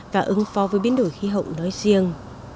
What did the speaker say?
và ứng phó với biến đổi khí hậu nói riêng